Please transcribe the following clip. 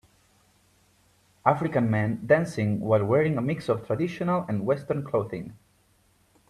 African men dancing while wearing a mix of traditional and western clothing.